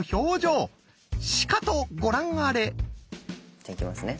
じゃあいきますね。